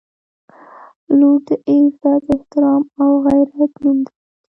• لور د عزت، احترام او غیرت نوم دی.